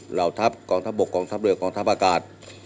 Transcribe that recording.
เหล่าทัพกองทัพบกกองทัพเรือกองทัพอากาศ